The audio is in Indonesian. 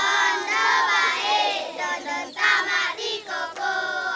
jodoh baik jodoh tamat dikoko